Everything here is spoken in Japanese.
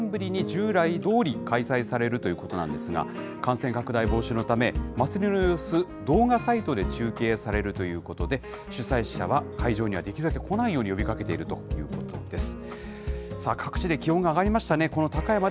春の高山祭が、あすから３年ぶりに従来どおり開催されるということなんですが、感染拡大防止のため、祭りの様子、動画サイトで中継されるということで、主催者は会場にはできるだけ来ないように呼びかけているということなんです。